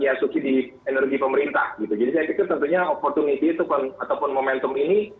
jadi saya pikir tentunya opportunity ataupun momentum ini